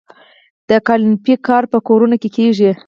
د قالینبافۍ کار په کورونو کې کیږي؟